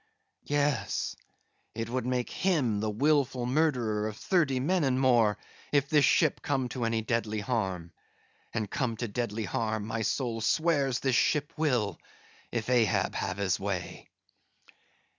—Yes, it would make him the wilful murderer of thirty men and more, if this ship come to any deadly harm; and come to deadly harm, my soul swears this ship will, if Ahab have his way.